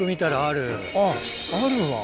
あっあるわ。